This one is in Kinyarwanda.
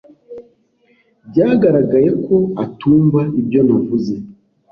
Byaragaragaye ko atumva ibyo navuze.